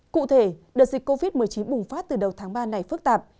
cụ thể đợt dịch covid một mươi chín bùng phát từ đầu tháng ba này phức tạp